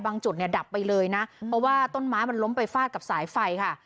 จุดเนี่ยดับไปเลยนะเพราะว่าต้นไม้มันล้มไปฟาดกับสายไฟค่ะ